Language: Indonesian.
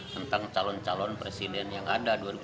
tentang calon calon presiden yang ada